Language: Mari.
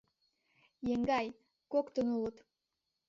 — Еҥгай, коктын улыт.